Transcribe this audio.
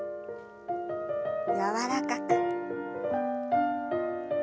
柔らかく。